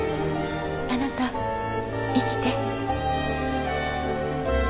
あなた生きて。